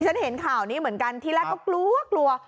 ฉันเห็นข่าวนี้เหมือนกันที่แรกก็กลัวกลัว